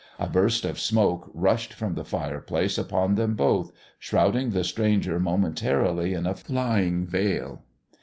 A burst of smoke rushed from the fireplace about them both, shrouding the stranger momentarily in a flying veil.